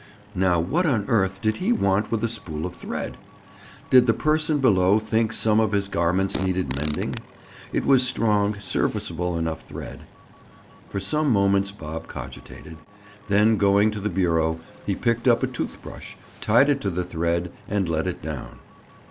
Now what on earth did he want with a spool of thread? Did the person below think some of his garments needed mending? It was strong, serviceable enough thread. For some moments Bob cogitated, then going to the bureau, he picked up a tooth brush, tied it to the thread, and let it down.